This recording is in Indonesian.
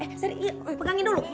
eh seri pegangin dulu